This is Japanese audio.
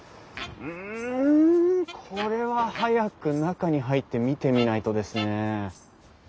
うんこれは早く中に入って見てみないとですね。